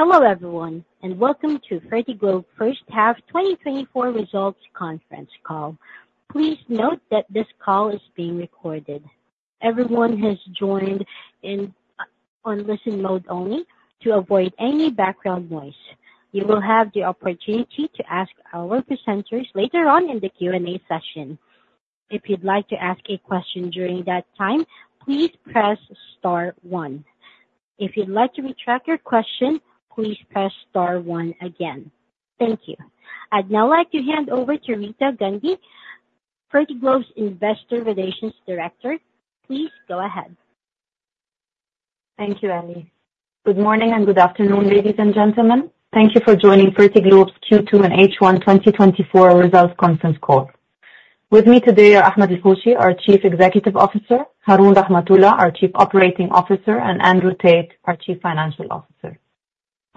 Hello, everyone, and welcome to Fertiglobe First Half 2024 Results Conference Call. Please note that this call is being recorded. Everyone has joined on listen mode only to avoid any background noise. You will have the opportunity to ask our presenters later on in the Q&A session. If you'd like to ask a question during that time, please press Star 1. If you'd like to retract your question, please press Star 1 again. Thank you. I'd now like to hand over to Rita Guindy, Fertiglobe's Investor Relations Director. Please go ahead. Thank you, Ellie. Good morning and good afternoon, ladies and gentlemen. Thank you for joining Fertiglobe's Q2 and H1 2024 Results Conference Call. With me today are Ahmed El-Hoshy, our Chief Executive Officer, Haroon Rahmathulla, our Chief Operating Officer, and Andrew Tait, our Chief Financial Officer.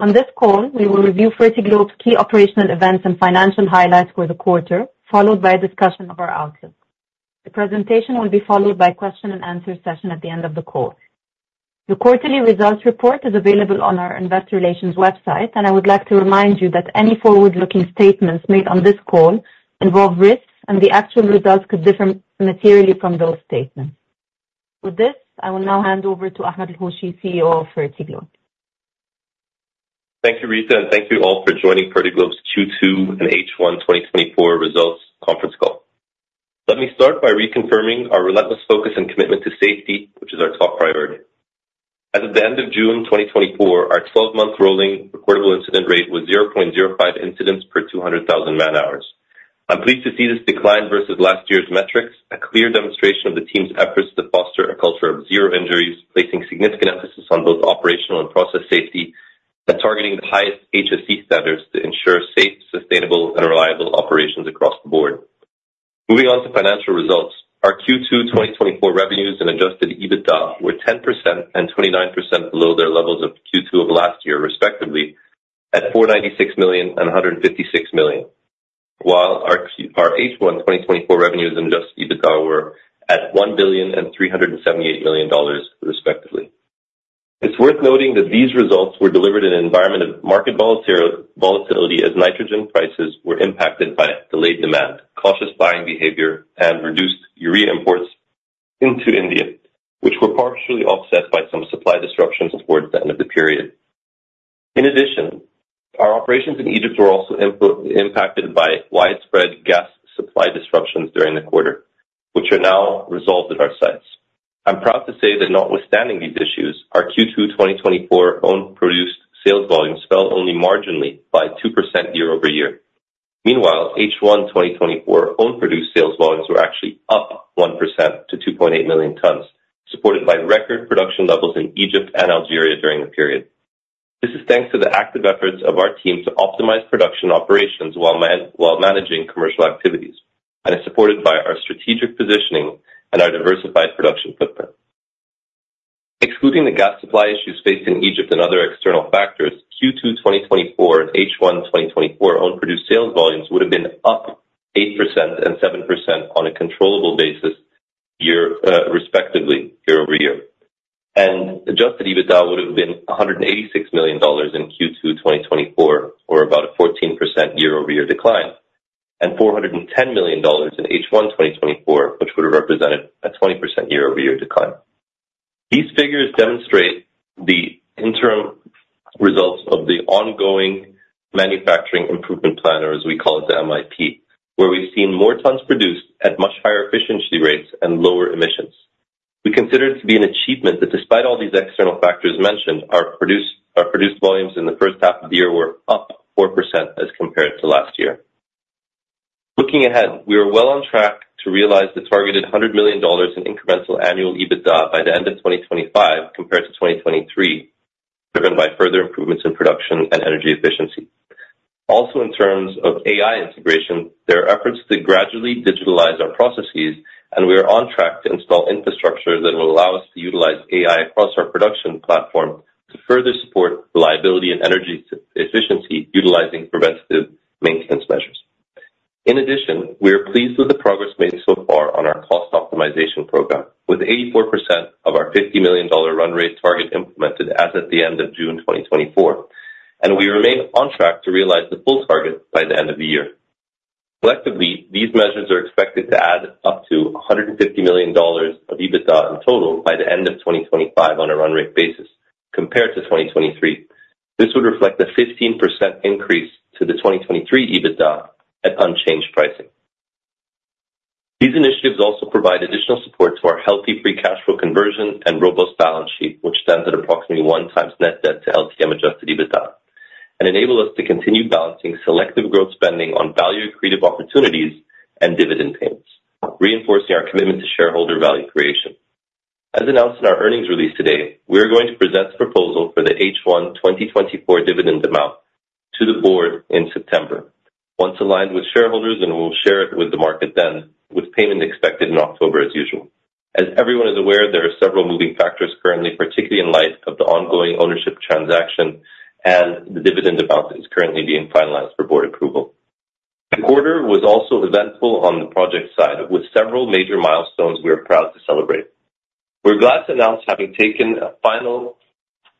On this call, we will review Fertiglobe's key operational events and financial highlights for the quarter, followed by a discussion of our outlook. The presentation will be followed by a question-and-answer session at the end of the call. The quarterly results report is available on our Investor Relations website, and I would like to remind you that any forward-looking statements made on this call involve risks, and the actual results could differ materially from those statements. With this, I will now hand over to Ahmed El-Hoshy, CEO of Fertiglobe. Thank you, Rita, and thank you all for joining Fertiglobe's Q2 and H1 2024 Results Conference Call. Let me start by reconfirming our relentless focus and commitment to safety, which is our top priority. As of the end of June 2024, our 12-month rolling recordable incident rate was 0.05 incidents per 200,000 man-hours. I'm pleased to see this decline versus last year's metrics, a clear demonstration of the team's efforts to foster a culture of zero injuries, placing significant emphasis on both operational and process safety, and targeting the highest HSE standards to ensure safe, sustainable, and reliable operations across the board. Moving on to financial results, our Q2 2024 revenues and adjusted EBITDA were 10% and 29% below their levels of Q2 of last year, respectively, at $496 million and $156 million, while our H1 2024 revenues and adjusted EBITDA were at $1 billion and $378 million, respectively. It's worth noting that these results were delivered in an environment of market volatility as nitrogen prices were impacted by delayed demand, cautious buying behavior, and reduced urea imports into India, which were partially offset by some supply disruptions towards the end of the period. In addition, our operations in Egypt were also impacted by widespread gas supply disruptions during the quarter, which are now resolved at our sites. I'm proud to say that notwithstanding these issues, our Q2 2024 own-produced sales volumes fell only marginally by 2% year-over-year. Meanwhile, H1 2024 own-produced sales volumes were actually up 1% to 2.8 million tons, supported by record production levels in Egypt and Algeria during the period. This is thanks to the active efforts of our team to optimize production operations while managing commercial activities, and it's supported by our strategic positioning and our diversified production footprint. Excluding the gas supply issues faced in Egypt and other external factors, Q2 2024 and H1 2024 own-produced sales volumes would have been up 8% and 7% on a controllable basis, respectively, year over year. Adjusted EBITDA would have been $186 million in Q2 2024, or about a 14% year-over-year decline, and $410 million in H1 2024, which would have represented a 20% year-over-year decline. These figures demonstrate the interim results of the ongoing Manufacturing Improvement Plan, or as we call it, the MIP, where we've seen more tons produced at much higher efficiency rates and lower emissions. We consider it to be an achievement that despite all these external factors mentioned, our produced volumes in the first half of the year were up 4% as compared to last year. Looking ahead, we are well on track to realize the targeted $100 million in incremental annual EBITDA by the end of 2025 compared to 2023, driven by further improvements in production and energy efficiency. Also, in terms of AI integration, there are efforts to gradually digitalize our processes, and we are on track to install infrastructure that will allow us to utilize AI across our production platform to further support reliability and energy efficiency utilizing preventative maintenance measures. In addition, we are pleased with the progress made so far on our cost optimization program, with 84% of our $50 million run rate target implemented as of the end of June 2024, and we remain on track to realize the full target by the end of the year. Collectively, these measures are expected to add up to $150 million of EBITDA in total by the end of 2025 on a run rate basis compared to 2023. This would reflect a 15% increase to the 2023 EBITDA at unchanged pricing. These initiatives also provide additional support to our healthy free cash flow conversion and robust balance sheet, which stands at approximately 1x net debt to LTM adjusted EBITDA, and enable us to continue balancing selective growth spending on value creative opportunities and dividend payments, reinforcing our commitment to shareholder value creation. As announced in our earnings release today, we are going to present the proposal for the H1 2024 dividend amount to the board in September, once aligned with shareholders, and we'll share it with the market then, with payment expected in October as usual. As everyone is aware, there are several moving factors currently, particularly in light of the ongoing ownership transaction, and the dividend amount is currently being finalized for board approval. The quarter was also eventful on the project side, with several major milestones we are proud to celebrate. We're glad to announce having taken a final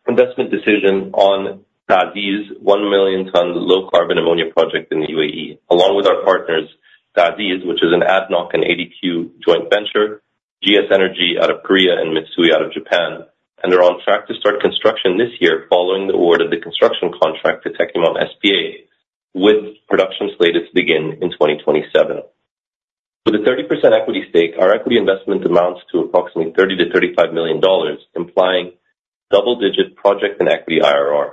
investment decision on TA'ZIZ's 1 million ton low carbon ammonia project in the UAE, along with our partners TA'ZIZ, which is an ADNOC and ADQ joint venture, GS Energy out of Korea, and Mitsui out of Japan, and are on track to start construction this year following the award of the construction contract to Tecnimont S.p.A., with production slated to begin in 2027. With a 30% equity stake, our equity investment amounts to approximately $30-$35 million, implying double-digit project and equity IRR.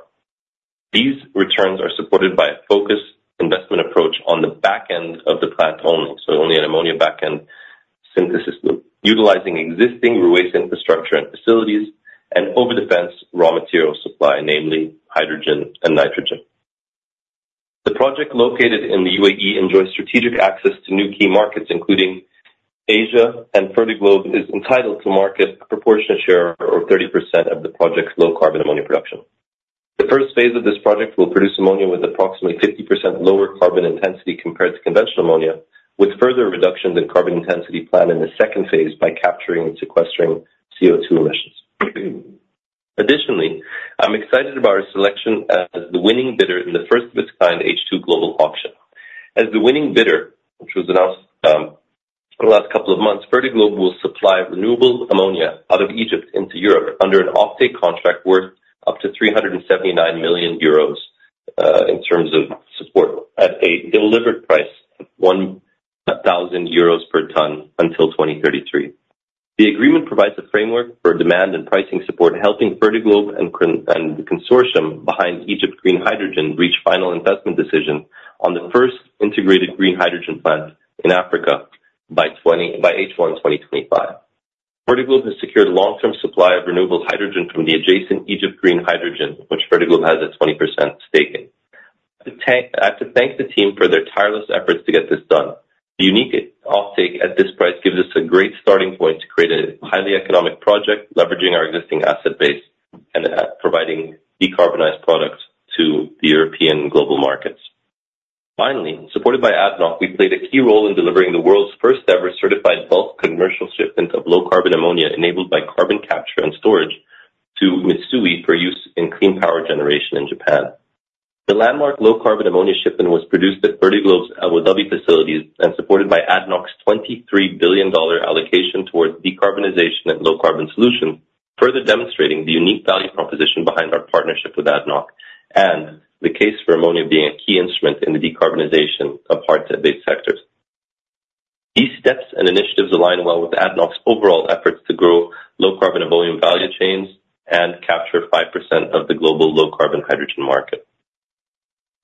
These returns are supported by a focused investment approach on the back end of the plant only, so only an ammonia back-end synthesis, utilizing existing reuse infrastructure and facilities and abundant raw material supply, namely hydrogen and nitrogen. The project located in the UAE enjoys strategic access to new key markets, including Asia, and Fertiglobe is entitled to market a proportionate share or 30% of the project's low carbon ammonia production. The first phase of this project will produce ammonia with approximately 50% lower carbon intensity compared to conventional ammonia, with further reduction in the carbon intensity plan in the second phase by capturing and sequestering CO2 emissions. Additionally, I'm excited about our selection as the winning bidder in the first-of-its-kind H2Global auction. As the winning bidder, which was announced in the last couple of months, Fertiglobe will supply renewable ammonia out of Egypt into Europe under an offtake contract worth up to €379 million in terms of support at a delivered price of €1,000 per ton until 2033. The agreement provides a framework for demand and pricing support, helping Fertiglobe and the consortium behind Egypt Green Hydrogen reach Final Investment Decision on the first integrated green hydrogen plant in Africa by H1 2025. Fertiglobe has secured a long-term supply of renewable hydrogen from the adjacent Egypt Green Hydrogen, which Fertiglobe has a 20% stake in. I have to thank the team for their tireless efforts to get this done. The unique offtake at this price gives us a great starting point to create a highly economic project, leveraging our existing asset base and providing decarbonized products to the European global markets. Finally, supported by ADNOC, we played a key role in delivering the world's first-ever certified bulk commercial shipment of low carbon ammonia enabled by carbon capture and storage to Mitsui for use in clean power generation in Japan. The landmark low carbon ammonia shipment was produced at Fertiglobe's Abu Dhabi facilities and supported by ADNOC's $23 billion allocation towards decarbonization and low carbon solutions, further demonstrating the unique value proposition behind our partnership with ADNOC and the case for ammonia being a key instrument in the decarbonization of hard-to-abate sectors. These steps and initiatives align well with ADNOC's overall efforts to grow low carbon ammonia value chains and capture 5% of the global low carbon hydrogen market.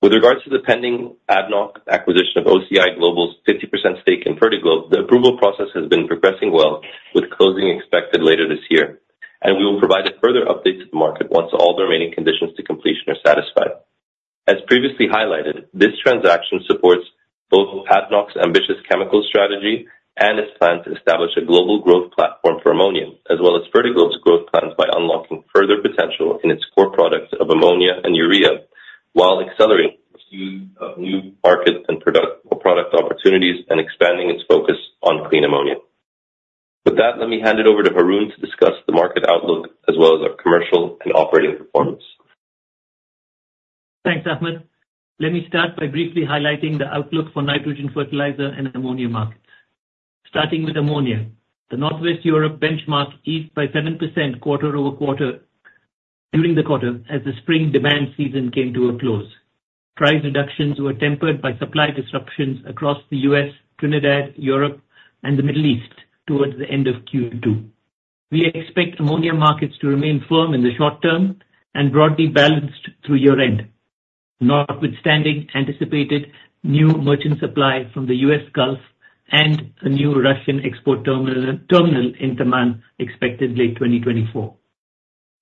With regards to the pending ADNOC acquisition of OCI Global's 50% stake in Fertiglobe, the approval process has been progressing well, with closing expected later this year, and we will provide a further update to the market once all the remaining conditions to completion are satisfied. As previously highlighted, this transaction supports both ADNOC's ambitious chemical strategy and its plan to establish a global growth platform for ammonia, as well as Fertiglobe's growth plans by unlocking further potential in its core products of ammonia and urea, while accelerating the pursuit of new market and product opportunities and expanding its focus on clean ammonia. With that, let me hand it over to Haroon to discuss the market outlook as well as our commercial and operating performance. Thanks, Ahmed. Let me start by briefly highlighting the outlook for nitrogen fertilizer and ammonia markets. Starting with ammonia, the Northwest Europe benchmark eased by 7% quarter-over-quarter during the quarter as the spring demand season came to a close. Price reductions were tempered by supply disruptions across the U.S., Trinidad, Europe, and the Middle East towards the end of Q2. We expect ammonia markets to remain firm in the short term and broadly balanced through year-end, notwithstanding anticipated new merchant supply from the U.S. Gulf and a new Russian export terminal in Taman expected late 2024.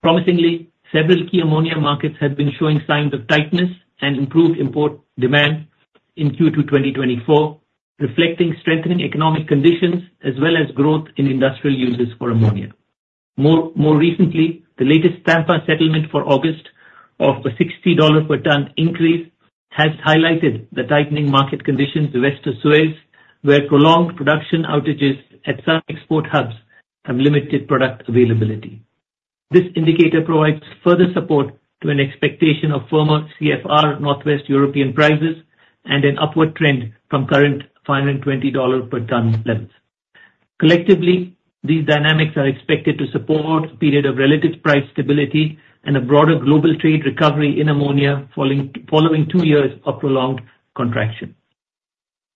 Promisingly, several key ammonia markets have been showing signs of tightness and improved import demand in Q2 2024, reflecting strengthening economic conditions as well as growth in industrial uses for ammonia. More recently, the latest Tampa settlement for August of a $60 per ton increase has highlighted the tightening market conditions west of Suez, where prolonged production outages at some export hubs have limited product availability. This indicator provides further support to an expectation of firmer CFR Northwest European prices and an upward trend from current $520 per ton levels. Collectively, these dynamics are expected to support a period of relative price stability and a broader global trade recovery in ammonia following two years of prolonged contraction.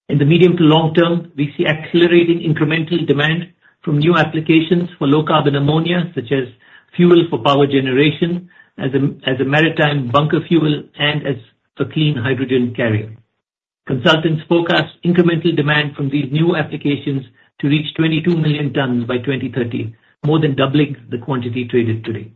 In the medium to long term, we see accelerating incremental demand from new applications for low carbon ammonia, such as fuel for power generation, as a maritime bunker fuel, and as a clean hydrogen carrier. Consultants forecast incremental demand from these terms to reach 22 million tons by 2030, more than doubling the quantity traded today.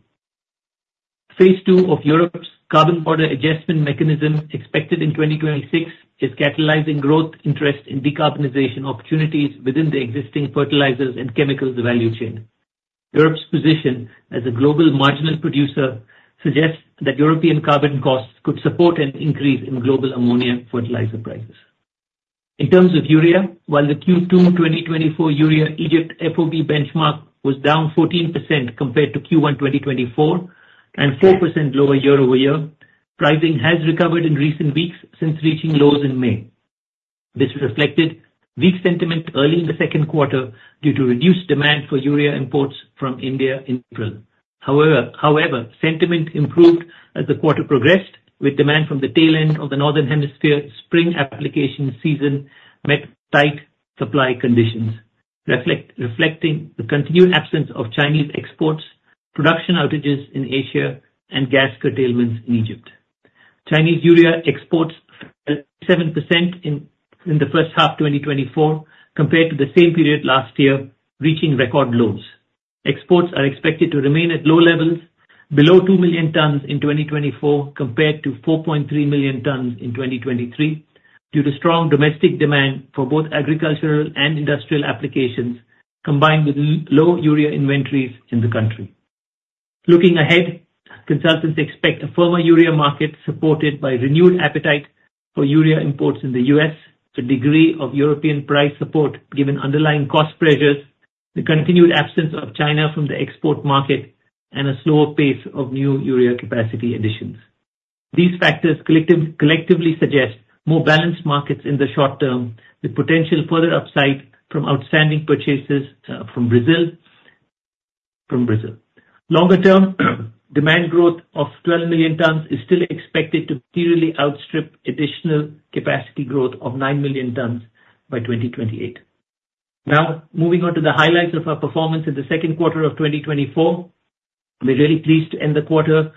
Phase Two of Europe's Carbon Border Adjustment Mechanism expected in 2026 is catalyzing growth interest in decarbonization opportunities within the existing fertilizers and chemicals value chain. Europe's position as a global marginal producer suggests that European carbon costs could support an increase in global ammonia fertilizer prices. In terms of urea, while the Q2 2024 urea Egypt FOB benchmark was down 14% compared to Q1 2024 and 4% lower year-over-year, pricing has recovered in recent weeks since reaching lows in May. This reflected weak sentiment early in the second quarter due to reduced demand for urea imports from India in April. However, sentiment improved as the quarter progressed, with demand from the tail end of the northern hemisphere spring application season met tight supply conditions, reflecting the continued absence of Chinese exports, production outages in Asia, and gas curtailments in Egypt. Chinese urea exports fell 7% in the first half of 2024 compared to the same period last year, reaching record lows. Exports are expected to remain at low levels, below 2 million tons in 2024 compared to 4.3 million tons in 2023 due to strong domestic demand for both agricultural and industrial applications, combined with low urea inventories in the country. Looking ahead, consultants expect a firmer urea market supported by renewed appetite for urea imports in the U.S., a degree of European price support given underlying cost pressures, the continued absence of China from the export market, and a slower pace of new urea capacity additions. These factors collectively suggest more balanced markets in the short term, with potential further upside from outstanding purchases from Brazil. Longer term, demand growth of 12 million tons is still expected to materially outstrip additional capacity growth of 9 million tons by 2028. Now, moving on to the highlights of our performance in the second quarter of 2024, we're really pleased to end the quarter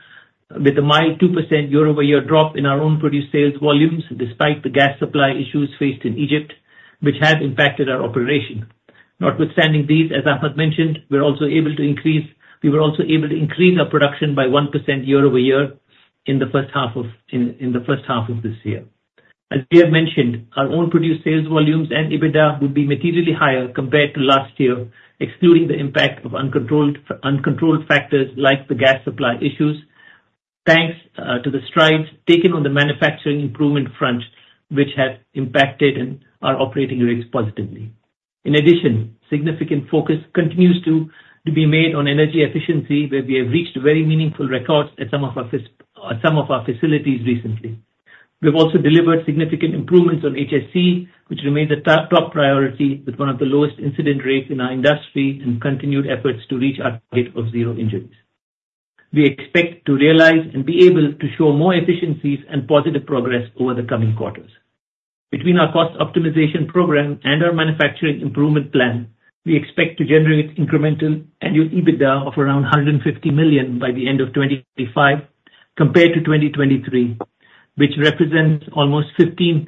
with a mild 2% year-over-year drop in our own produced sales volumes despite the gas supply issues faced in Egypt, which have impacted our operation. Notwithstanding these, as Ahmed mentioned, we were also able to increase our production by 1% year-over-year in the first half of this year. As we have mentioned, our own produced sales volumes and EBITDA would be materially higher compared to last year, excluding the impact of uncontrolled factors like the gas supply issues, thanks to the strides taken on the manufacturing improvement front, which have impacted our operating rates positively. In addition, significant focus continues to be made on energy efficiency, where we have reached very meaningful records at some of our facilities recently. We have also delivered significant improvements on HSE, which remains a top priority with one of the lowest incident rates in our industry and continued efforts to reach our target of zero injuries. We expect to realize and be able to show more efficiencies and positive progress over the coming quarters. Between our cost optimization program and our Manufacturing Improvement Plan, we expect to generate incremental annual EBITDA of around $150 million by the end of 2025 compared to 2023, which represents almost 15%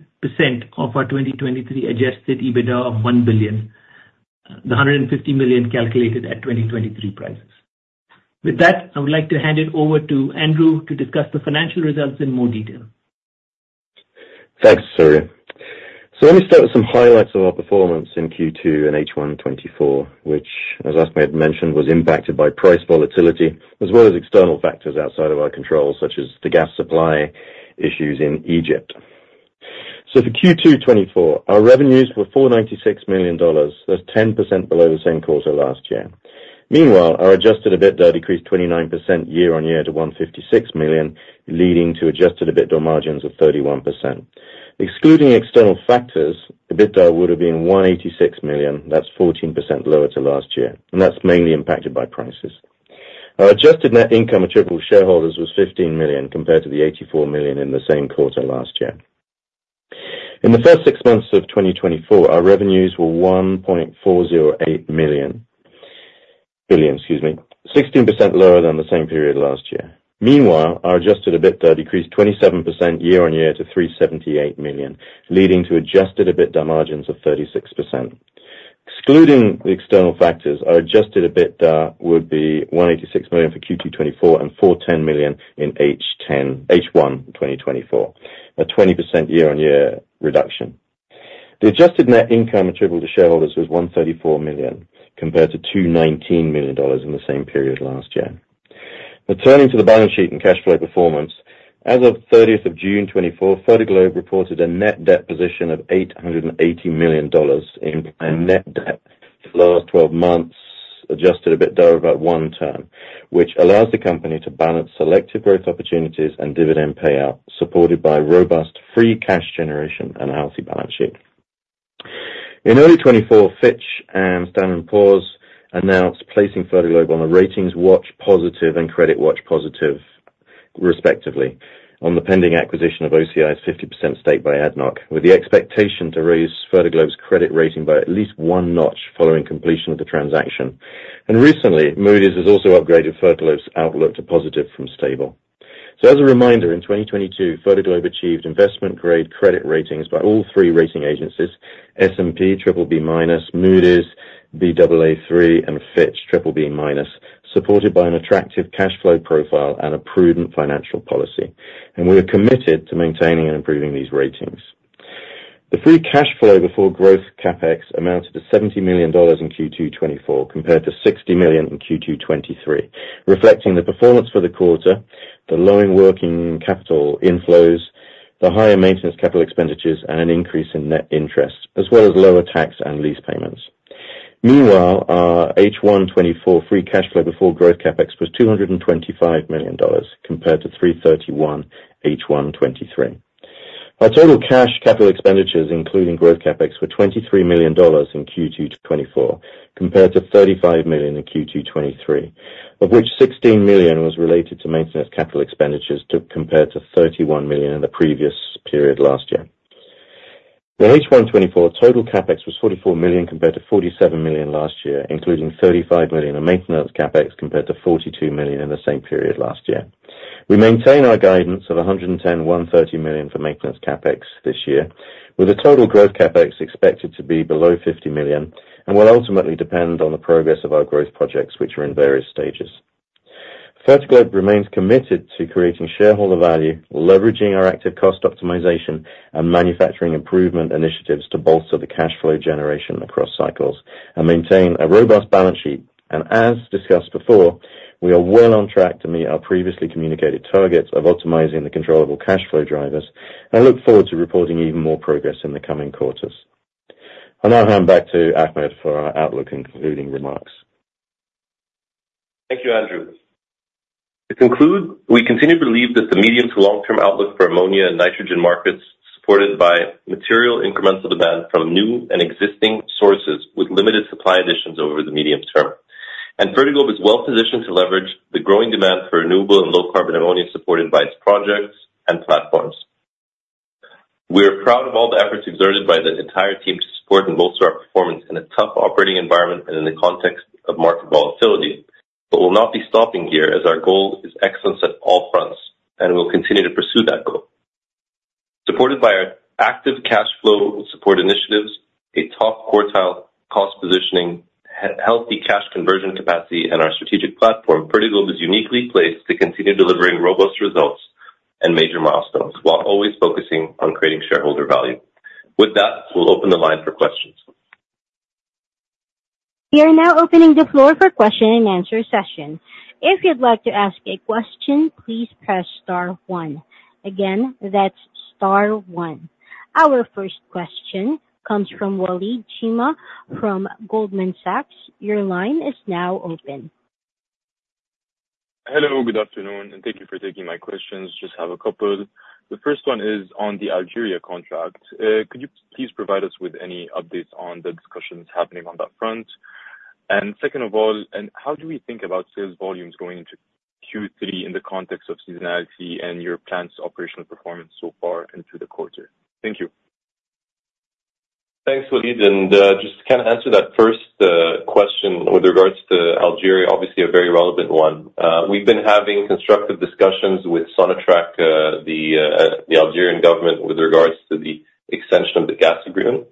of our 2023 adjusted EBITDA of $1 billion, the $150 million calculated at 2023 prices. With that, I would like to hand it over to Andrew to discuss the financial results in more detail. Thanks, Haroon. So let me start with some highlights of our performance in Q2 2024 and H1 2024, which, as Ahmed mentioned, was impacted by price volatility as well as external factors outside of our control, such as the gas supply issues in Egypt. So for Q2 2024, our revenues were $496 million, that's 10% below the same quarter last year. Meanwhile, our Adjusted EBITDA decreased 29% year-on-year to $156 million, leading to Adjusted EBITDA margins of 31%. Excluding external factors, EBITDA would have been $186 million, that's 14% lower to last year, and that's mainly impacted by prices. Our adjusted net income attributable to shareholders was $15 million compared to the $84 million in the same quarter last year. In the first six months of 2024, our revenues were $1,408 million, excuse me, 16% lower than the same period last year. Meanwhile, our Adjusted EBITDA decreased 27% year-on-year to $378 million, leading to Adjusted EBITDA margins of 36%. Excluding the external factors, our Adjusted EBITDA would be $186 million for Q2 2024 and $410 million in H1 2024, a 20% year-on-year reduction. The adjusted net income achievable to shareholders was $134 million compared to $219 million in the same period last year. Returning to the balance sheet and cash flow performance, as of 30 June 2024, Fertiglobe reported a net debt position of $880 million in net debt for the last 12 months, adjusted EBITDA of about one turn, which allows the company to balance selective growth opportunities and dividend payout supported by robust free cash generation and a healthy balance sheet. In early 2024, Fitch and Standard & Poor's announced placing Fertiglobe on the Rating Watch Positive and CreditWatch Positive, respectively, on the pending acquisition of OCI's 50% stake by ADNOC, with the expectation to raise Fertiglobe's credit rating by at least one notch following completion of the transaction. Recently, Moody's has also upgraded Fertiglobe's outlook to positive from stable. As a reminder, in 2022, Fertiglobe achieved investment-grade credit ratings by all three rating agencies, S&P Triple B Minus, Moody's Baa3, and Fitch Triple B Minus, supported by an attractive cash flow profile and a prudent financial policy. We are committed to maintaining and improving these ratings. The free cash flow before growth CapEx amounted to $70 million in Q2 2024 compared to $60 million in Q2 2023, reflecting the performance for the quarter, the lower working capital inflows, the higher maintenance capital expenditures, and an increase in net interest, as well as lower tax and lease payments. Meanwhile, our H1 2024 free cash flow before growth CapEx was $225 million compared to $331 million H1 2023. Our total cash capital expenditures, including growth CapEx, were $23 million in Q2 2024 compared to $35 million in Q2 2023, of which $16 million was related to maintenance capital expenditures compared to $31 million in the previous period last year. For H1 2024, total CapEx was $44 million compared to $47 million last year, including $35 million in maintenance CapEx compared to $42 million in the same period last year. We maintain our guidance of $110 million-$130 million for maintenance CapEx this year, with a total growth CapEx expected to be below $50 million and will ultimately depend on the progress of our growth projects, which are in various stages. Fertiglobe remains committed to creating shareholder value, leveraging our active cost optimization and manufacturing improvement initiatives to bolster the cash flow generation across cycles and maintain a robust balance sheet. And as discussed before, we are well on track to meet our previously communicated targets of optimizing the controllable cash flow drivers and look forward to reporting even more progress in the coming quarters. I'll now hand back to Ahmed for our outlook including remarks. Thank you, Andrew. To conclude, we continue to believe that the medium to long-term outlook for ammonia and nitrogen markets is supported by material increments of demand from new and existing sources with limited supply additions over the medium term. Fertiglobe is well positioned to leverage the growing demand for renewable and low carbon ammonia supported by its projects and platforms. We are proud of all the efforts exerted by the entire team to support and bolster our performance in a tough operating environment and in the context of market volatility, but will not be stopping here as our goal is excellence at all fronts and we'll continue to pursue that goal. Supported by our active cash flow support initiatives, a top quartile cost positioning, healthy cash conversion capacity, and our strategic platform, Fertiglobe is uniquely placed to continue delivering robust results and major milestones while always focusing on creating shareholder value. With that, we'll open the line for questions. We are now opening the floor for question and answer session. If you'd like to ask a question, please press star one. Again, that's star one. Our first question comes from Waleed Mohsin from Goldman Sachs. Your line is now open. Hello, good afternoon, and thank you for taking my questions. Just have a couple. The first one is on the Algeria contract. Could you please provide us with any updates on the discussions happening on that front? And second of all, how do we think about sales volumes going into Q3 in the context of seasonality and your planned operational performance so far into the quarter? Thank you. Thanks, Waleed. Just to kind of answer that first question with regards to Algeria, obviously a very relevant one. We've been having constructive discussions with Sonatrach, the Algerian government, with regards to the extension of the gas agreement.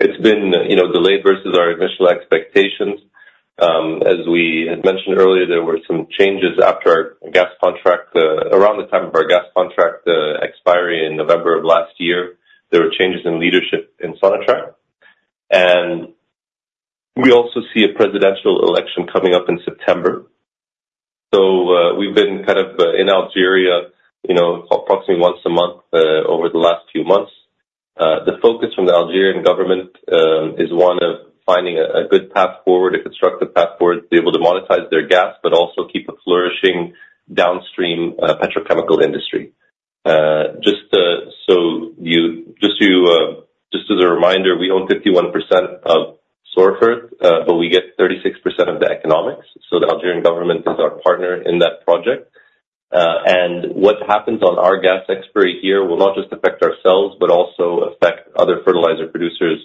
It's been delayed versus our initial expectations. As we had mentioned earlier, there were some changes after our gas contract, around the time of our gas contract expiry in November of last year, there were changes in leadership in Sonatrach. We also see a presidential election coming up in September. We've been kind of in Algeria approximately once a month over the last few months. The focus from the Algerian government is one of finding a good path forward, a constructive path forward to be able to monetize their gas, but also keep a flourishing downstream petrochemical industry. Just as a reminder, we own 51% of Sorfert, but we get 36% of the economics. So the Algerian government is our partner in that project. And what happens on our gas expiry here will not just affect ourselves, but also affect other fertilizer producers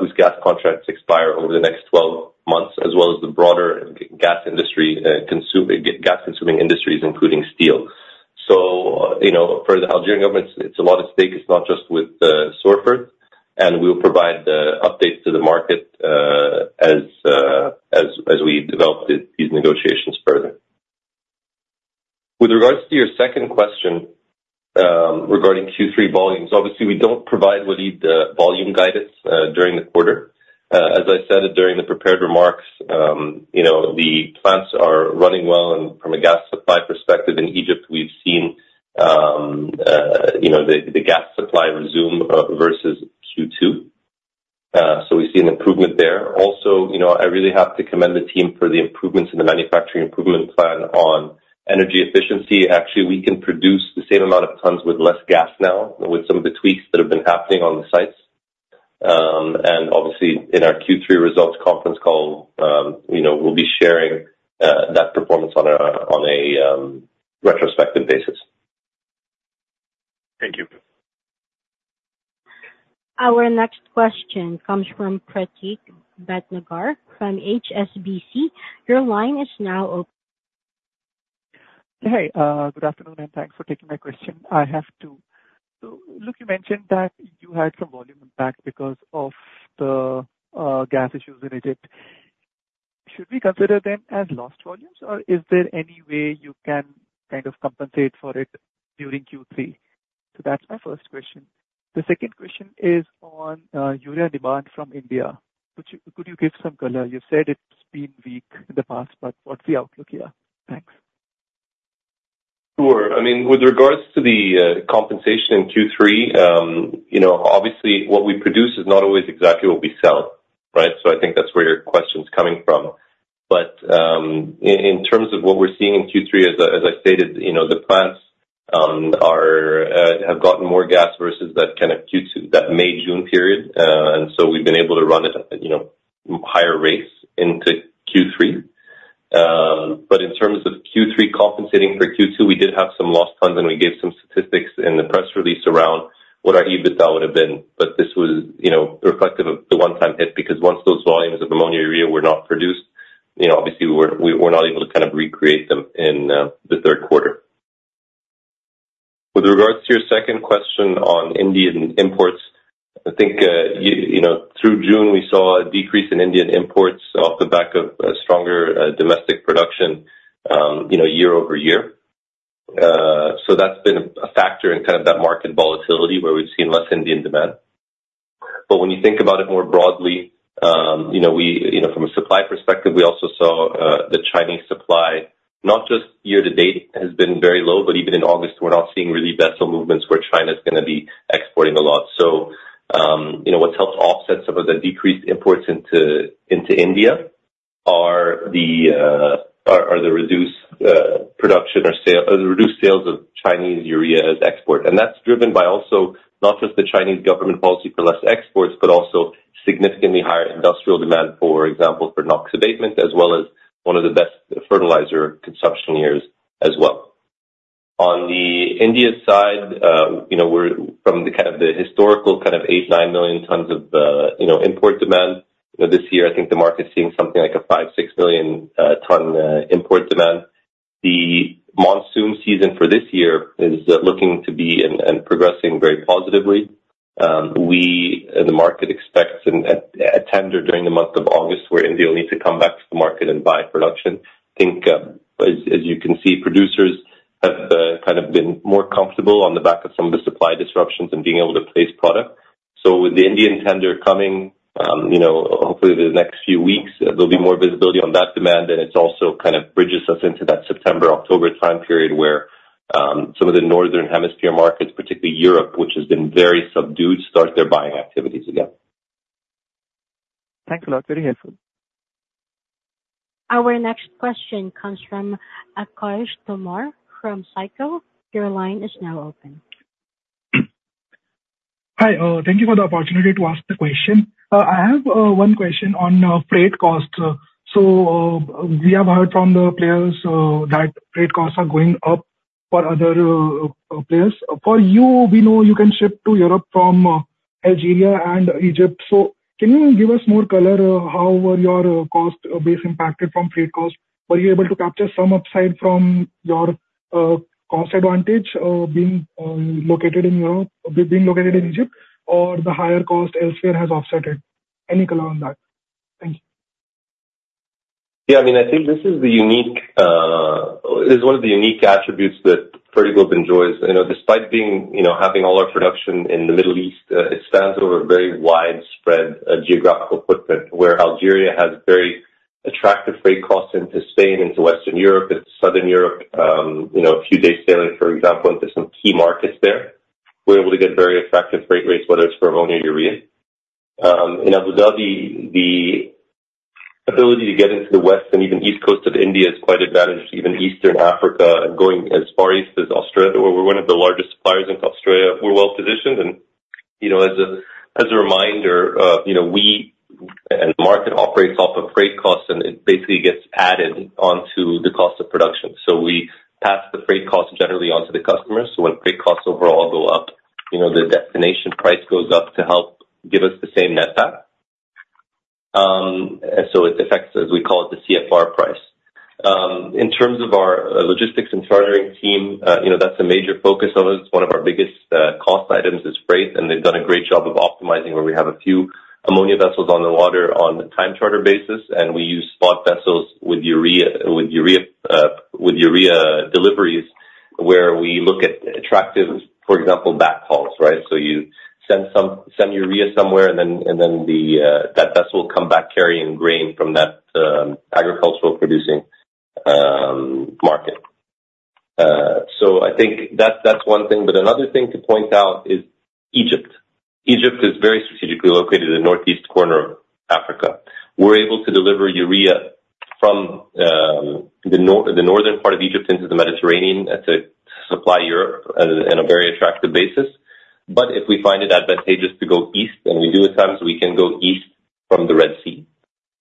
whose gas contracts expire over the next 12 months, as well as the broader gas industry, gas consuming industries, including steel. So for the Algerian government, it's a lot at stake. It's not just with Sorfert. And we will provide updates to the market as we develop these negotiations further. With regards to your second question regarding Q3 volumes, obviously we don't provide forward-looking volume guidance during the quarter. As I said during the prepared remarks, the plants are running well. And from a gas supply perspective in Egypt, we've seen the gas supply resume versus Q2. So we see an improvement there. Also, I really have to commend the team for the improvements in the manufacturing improvement plan on energy efficiency. Actually, we can produce the same amount of tons with less gas now with some of the tweaks that have been happening on the sites. And obviously, in our Q3 results conference call, we'll be sharing that performance on a retrospective basis. Thank you. Our next question comes from Pratik Bhatnagar from HSBC. Your line is now open. Hey, good afternoon and thanks for taking my question. I have to look, you mentioned that you had some volume impact because of the gas issues in Egypt. Should we consider them as lost volumes, or is there any way you can kind of compensate for it during Q3? So that's my first question. The second question is on urea demand from India. Could you give some color? You said it's been weak in the past, but what's the outlook here? Thanks. Sure. I mean, with regards to the compensation in Q3, obviously what we produce is not always exactly what we sell, right? So I think that's where your question's coming from. But in terms of what we're seeing in Q3, as I stated, the plants have gotten more gas versus that kind of Q2, that May, June period. And so we've been able to run at a higher rate into Q3. But in terms of Q3 compensating for Q2, we did have some lost tons and we gave some statistics in the press release around what our EBITDA would have been, but this was reflective of the one-time hit because once those volumes of ammonia urea were not produced, obviously we were not able to kind of recreate them in the third quarter. With regards to your second question on Indian imports, I think through June, we saw a decrease in Indian imports off the back of stronger domestic production year over year. So that's been a factor in kind of that market volatility where we've seen less Indian demand. But when you think about it more broadly, from a supply perspective, we also saw the Chinese supply, not just year to date, has been very low, but even in August, we're not seeing really vessel movements where China is going to be exporting a lot. So what's helped offset some of the decreased imports into India are the reduced production or reduced sales of Chinese urea as export. That's driven by also not just the Chinese government policy for less exports, but also significantly higher industrial demand, for example, for NOx abatement, as well as one of the best fertilizer consumption years as well. On the India side, from the kind of the historical kind of 8-9 million tons of import demand this year, I think the market's seeing something like a 5-6 million ton import demand. The monsoon season for this year is looking to be and progressing very positively. We and the market expect a tender during the month of August where India will need to come back to the market and buy production. I think, as you can see, producers have kind of been more comfortable on the back of some of the supply disruptions and being able to place product. So with the Indian tender coming, hopefully in the next few weeks, there'll be more visibility on that demand. And it also kind of bridges us into that September, October time period where some of the northern hemisphere markets, particularly Europe, which has been very subdued, start their buying activities again. Thanks a lot. Very helpful. Our next question comes from Akash Tomar from SICO. Your line is now open. Hi. Thank you for the opportunity to ask the question. I have one question on freight costs. So we have heard from the players that freight costs are going up for other players. For you, we know you can ship to Europe from Algeria and Egypt. So can you give us more color? How were your cost base impacted from freight costs? Were you able to capture some upside from your cost advantage being located in Europe or being located in Egypt, or the higher cost elsewhere has offset it? Any color on that? Thank you. Yeah, I mean, I think this is one of the unique attributes that Fertiglobe enjoys. Despite having all our production in the Middle East, it spans over a very widespread geographical footprint where Algeria has very attractive freight costs into Spain, into Western Europe, into Southern Europe, a few days sailing, for example, into some key markets there. We're able to get very attractive freight rates, whether it's for ammonia urea. In Abu Dhabi, the ability to get into the west and even east coast of India is quite advantaged, even Eastern Africa, and going as far east as Australia, where we're one of the largest suppliers into Australia, we're well positioned. And as a reminder, we and the market operates off of freight costs, and it basically gets added onto the cost of production. So we pass the freight costs generally onto the customers. So when freight costs overall go up, the destination price goes up to help give us the same netback. And so it affects, as we call it, the CFR price. In terms of our logistics and chartering team, that's a major focus of us. One of our biggest cost items is freight, and they've done a great job of optimizing where we have a few ammonia vessels on the water on a time charter basis, and we use spot vessels with urea deliveries where we look at attractive, for example, backhauls, right? So you send urea somewhere, and then that vessel will come back carrying grain from that agricultural producing market. So I think that's one thing. But another thing to point out is Egypt. Egypt is very strategically located in the northeast corner of Africa. We're able to deliver urea from the northern part of Egypt into the Mediterranean to supply Europe on a very attractive basis. But if we find it advantageous to go east, and we do at times, we can go east from the Red Sea.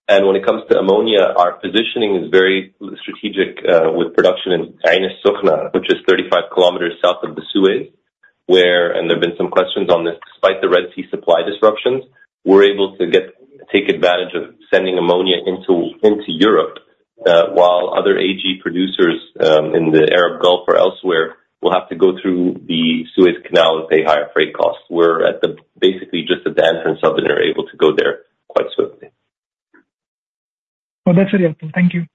And when it comes to ammonia, our positioning is very strategic with production in Ain Sokhna, which is 35 km south of the Suez. There have been some questions on this. Despite the Red Sea supply disruptions, we're able to take advantage of sending ammonia into Europe while other AG producers in the Arab Gulf or elsewhere will have to go through the Suez Canal and pay higher freight costs. We're basically just at the entrance of it and are able to go there quite swiftly. Oh, that's very helpful. Thank you.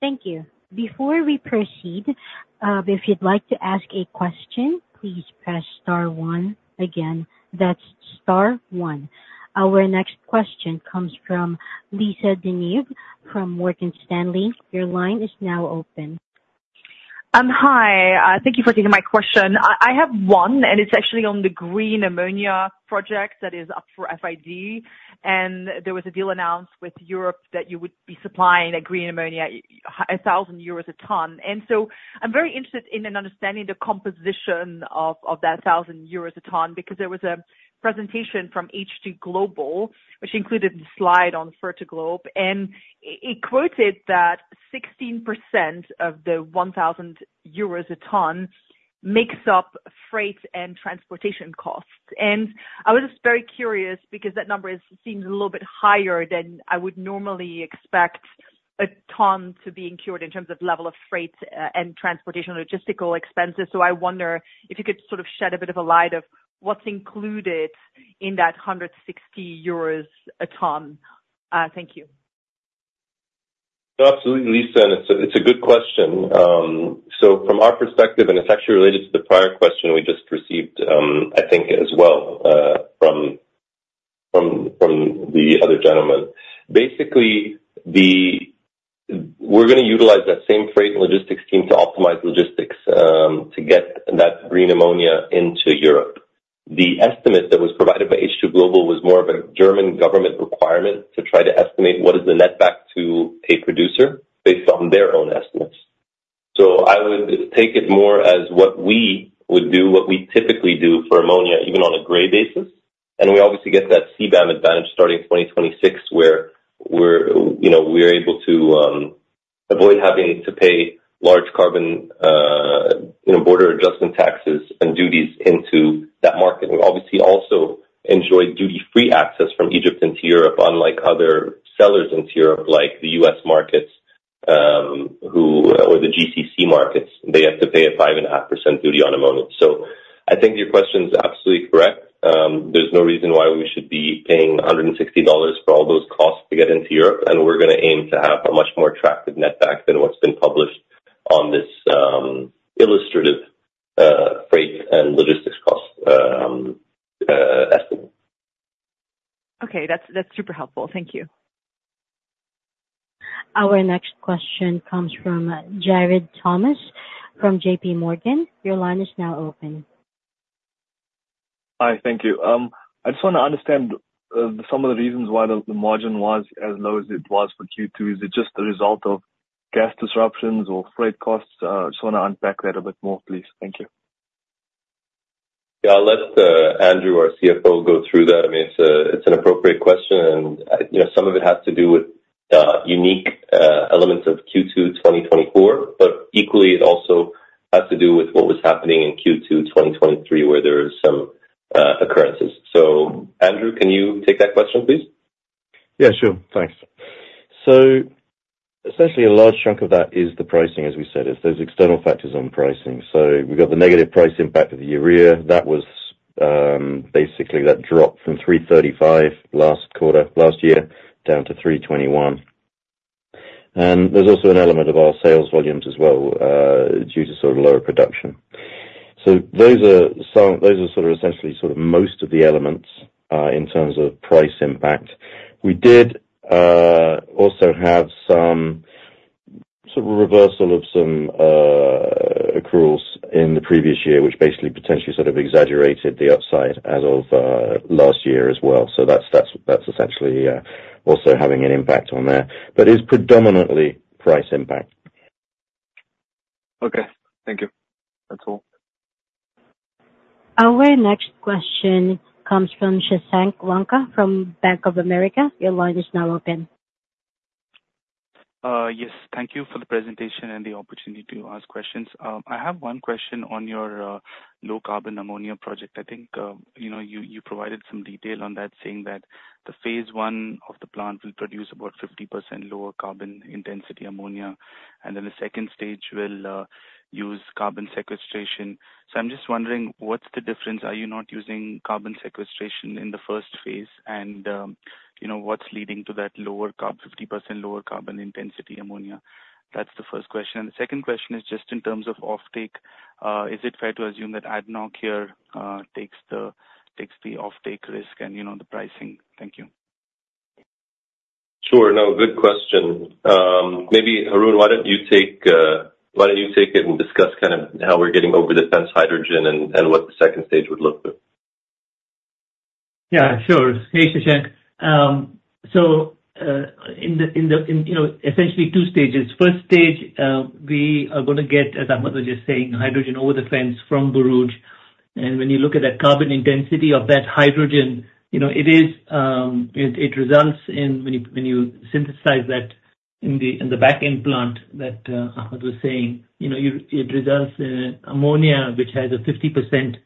Thank you. Before we proceed, if you'd like to ask a question, please press star one again. That's star one. Our next question comes from Lisa De Neve from Morgan Stanley. Your line is now open. Hi. Thank you for taking my question. I have one, and it's actually on the green ammonia project that is up for FID. There was a deal announced with Europe that you would be supplying that green ammonia at 1,000 euros a ton. I'm very interested in understanding the composition of that 1,000 euros a ton because there was a presentation from H2Global, which included the slide on Fertiglobe, and it quoted that 16% of the 1,000 euros a ton makes up freight and transportation costs. I was just very curious because that number seems a little bit higher than I would normally expect a ton to be incurred in terms of level of freight and transportation logistical expenses. I wonder if you could sort of shed a bit of a light of what's included in that 160 euros a ton. Thank you. Absolutely, Lisa. And it's a good question. So from our perspective, and it's actually related to the prior question we just received, I think, as well from the other gentlemen. Basically, we're going to utilize that same freight and logistics team to optimize logistics to get that green ammonia into Europe. The estimate that was provided by H2Global was more of a German government requirement to try to estimate what is the netback to a producer based on their own estimates. So I would take it more as what we would do, what we typically do for ammonia, even on a gray basis. And we obviously get that CBAM advantage starting 2026, where we're able to avoid having to pay large carbon border adjustment taxes and duties into that market. We obviously also enjoy duty-free access from Egypt into Europe, unlike other sellers into Europe like the US markets or the GCC markets. They have to pay a 5.5% duty on ammonia. So I think your question is absolutely correct. There's no reason why we should be paying $160 for all those costs to get into Europe. And we're going to aim to have a much more attractive netback than what's been published on this illustrative freight and logistics cost estimate. Okay. That's super helpful. Thank you. Our next question comes from Jared Thomas from J.P. Morgan. Your line is now open. Hi. Thank you. I just want to understand some of the reasons why the margin was as low as it was for Q2. Is it just the result of gas disruptions or freight costs? I just want to unpack that a bit more, please. Thank you. Yeah. Let Andrew, our CFO, go through that. I mean, it's an appropriate question. And some of it has to do with unique elements of Q2 2024, but equally, it also has to do with what was happening in Q2 2023, where there were some occurrences. So Andrew, can you take that question, please? Yeah, sure. Thanks. So essentially, a large chunk of that is the pricing, as we said. There's external factors on pricing. So we've got the negative price impact of the urea. That was basically that drop from 3.35 last quarter, last year, down to 3.21. And there's also an element of our sales volumes as well due to sort of lower production. So those are sort of essentially sort of most of the elements in terms of price impact. We did also have some sort of reversal of some accruals in the previous year, which basically potentially sort of exaggerated the upside as of last year as well. So that's essentially also having an impact on there, but it's predominantly price impact. Okay. Thank you. That's all. Our next question comes from Shahzad Laiq from Bank of America. Your line is now open. Yes. Thank you for the presentation and the opportunity to ask questions. I have one question on your low carbon ammonia project. I think you provided some detail on that, saying that the phase one of the plant will produce about 50% lower carbon intensity ammonia, and then the second stage will use carbon sequestration. So I'm just wondering, what's the difference? Are you not using carbon sequestration in the first phase, and what's leading to that lower carbon, 50% lower carbon intensity ammonia? That's the first question. And the second question is just in terms of offtake, is it fair to assume that ADNOC here takes the offtake risk and the pricing? Thank you. Sure. No, good question. Maybe, Haroon, why don't you take it and discuss kind of how we're getting over the fence hydrogen and what the second stage would look like? Yeah, sure. Hey, Shahzad. So in essentially two stages. First stage, we are going to get, as Ahmed was just saying, hydrogen over the fence from Borouge. And when you look at the carbon intensity of that hydrogen, it results in, when you synthesize that in the back end plant that Ahmed was saying, it results in ammonia, which has a 50%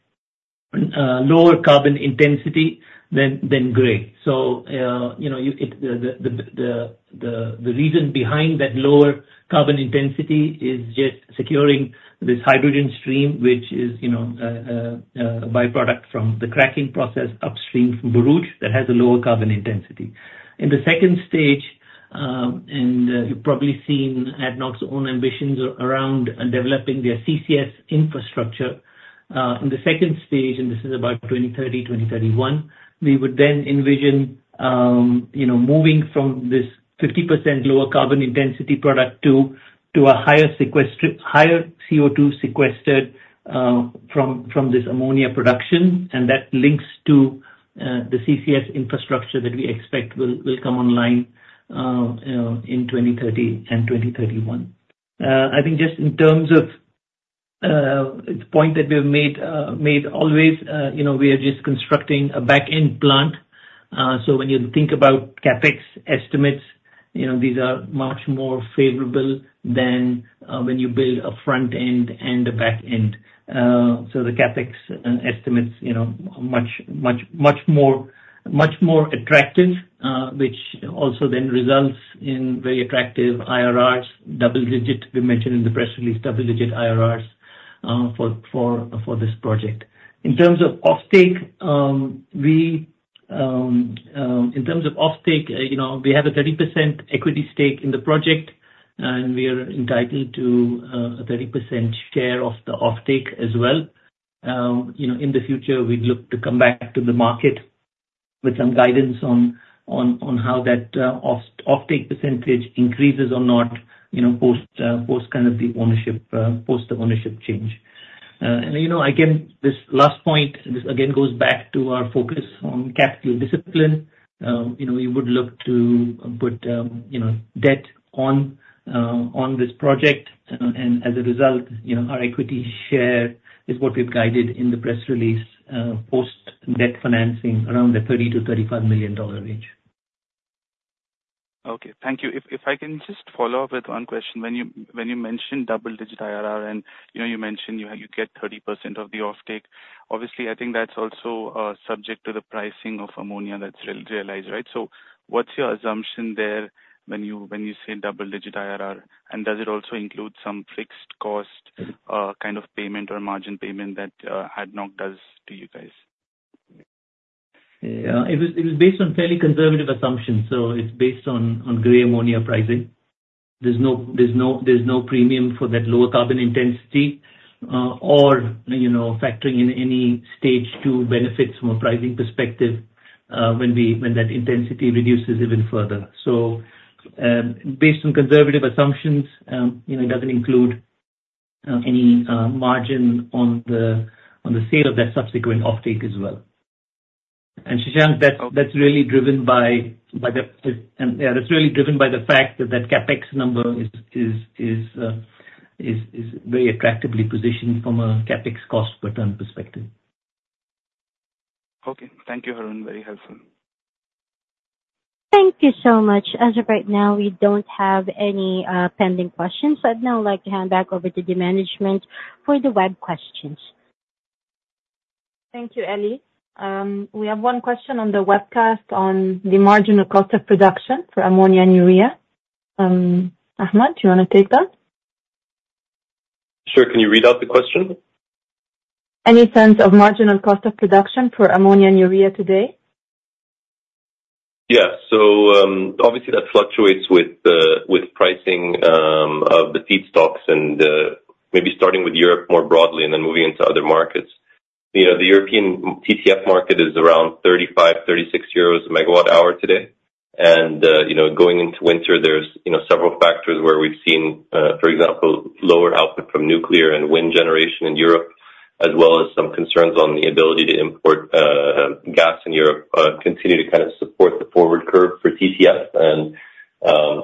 lower carbon intensity than gray. So the reason behind that lower carbon intensity is just securing this hydrogen stream, which is a byproduct from the cracking process upstream from Borouge that has a lower carbon intensity. In the second stage, and you've probably seen ADNOC's own ambitions around developing their CCS infrastructure. In the second stage, and this is about 2030, 2031, we would then envision moving from this 50% lower carbon intensity product to a higher CO2 sequestered from this ammonia production. That links to the CCS infrastructure that we expect will come online in 2030 and 2031. I think just in terms of the point that we've made always, we are just constructing a back end plant. So when you think about CapEx estimates, these are much more favorable than when you build a front end and a back end. So the CapEx estimates are much more attractive, which also then results in very attractive IRRs, double-digit. We mentioned in the press release, double-digit IRRs for this project. In terms of offtake, in terms of offtake, we have a 30% equity stake in the project, and we are entitled to a 30% share of the offtake as well. In the future, we'd look to come back to the market with some guidance on how that offtake percentage increases or not post kind of the ownership change. Again, this last point, this again goes back to our focus on capital discipline. We would look to put debt on this project. As a result, our equity share is what we've guided in the press release post debt financing around the $30 million-$35 million range. Okay. Thank you. If I can just follow up with one question. When you mentioned double-digit IRR and you mentioned you get 30% of the offtake, obviously, I think that's also subject to the pricing of ammonia that's realized, right? So what's your assumption there when you say double-digit IRR? And does it also include some fixed cost kind of payment or margin payment that ADNOC does to you guys? It was based on fairly conservative assumptions. So it's based on gray ammonia pricing. There's no premium for that lower carbon intensity or factoring in any stage two benefits from a pricing perspective when that intensity reduces even further. So based on conservative assumptions, it doesn't include any margin on the sale of that subsequent offtake as well. And Shahzad, that's really driven by the fact that that CapEx number is very attractively positioned from a CapEx cost return perspective. Okay. Thank you, Haroon. Very helpful. Thank you so much. As of right now, we don't have any pending questions. So I'd now like to hand back over to the management for the web questions. Thank you, Ellie. We have one question on the webcast on the marginal cost of production for ammonia and urea. Ahmed, do you want to take that? Sure. Can you read out the question? Any sense of marginal cost of production for ammonia and urea today? Yeah. So obviously, that fluctuates with pricing of the feedstocks and maybe starting with Europe more broadly and then moving into other markets. The European TTF market is around EUR 35-36 per MWh today. And going into winter, there's several factors where we've seen, for example, lower output from nuclear and wind generation in Europe, as well as some concerns on the ability to import gas in Europe continue to kind of support the forward curve for TTF. And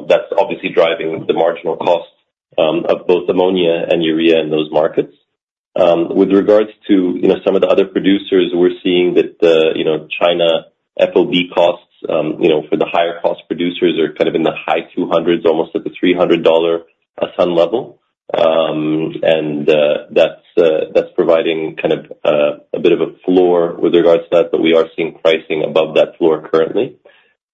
that's obviously driving the marginal cost of both ammonia and urea in those markets. With regards to some of the other producers, we're seeing that China FOB costs for the higher cost producers are kind of in the high 200s, almost at the $300 per ton level. And that's providing kind of a bit of a floor with regards to that, but we are seeing pricing above that floor currently.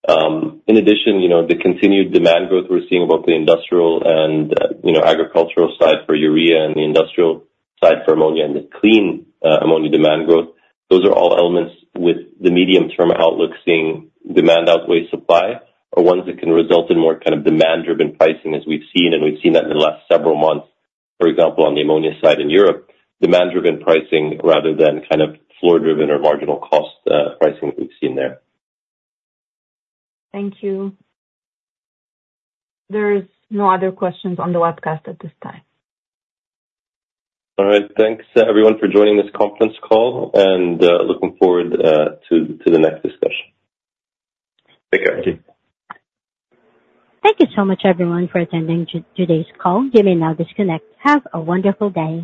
In addition, the continued demand growth we're seeing about the industrial and agricultural side for urea and the industrial side for ammonia and the Clean ammonia demand growth, those are all elements with the medium-term outlook seeing demand outweigh supply or ones that can result in more kind of demand-driven pricing as we've seen. And we've seen that in the last several months, for example, on the ammonia side in Europe, demand-driven pricing rather than kind of floor-driven or marginal cost pricing that we've seen there. Thank you. There's no other questions on the webcast at this time. All right. Thanks, everyone, for joining this conference call and looking forward to the next discussion. Take care. Thank you. Thank you so much, everyone, for attending today's call. You may now disconnect. Have a wonderful day.